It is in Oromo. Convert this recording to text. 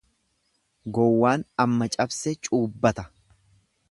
Gowwaan amma cabse cuubbata.